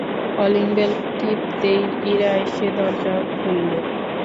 Calling bell টিপতেই ইরা এসে দরজা খুললেন।